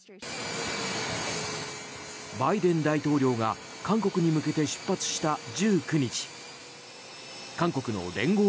バイデン大統領が韓国に向けて出発した１９日韓国の聯合